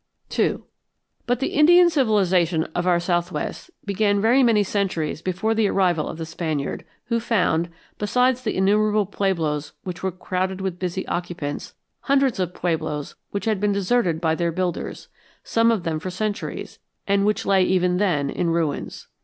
II But the Indian civilization of our southwest began very many centuries before the arrival of the Spaniard, who found, besides the innumerable pueblos which were crowded with busy occupants, hundreds of pueblos which had been deserted by their builders, some of them for centuries, and which lay even then in ruins.